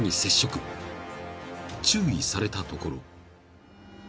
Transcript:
［注意されたところ］